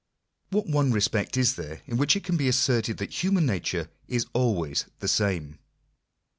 What one respect is there in which it can he asserted that human nature is always the same?